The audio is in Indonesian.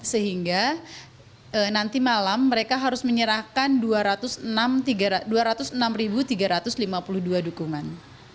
sehingga nanti malam mereka harus menyerahkan dua ratus enam tiga ratus lima puluh dua dukungan